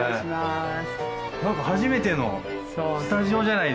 何か初めてのスタジオじゃないですか。